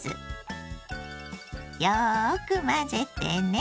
よく混ぜてね。